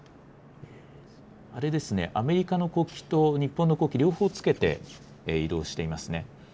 あれですね、アメリカの国旗と日本の国旗両方つけて移動していますね。